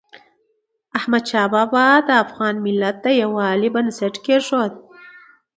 احمدشاه بابا د افغان ملت د یووالي بنسټ کېښود.